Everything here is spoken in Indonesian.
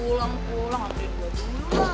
pulang pulang akhirnya gue dulu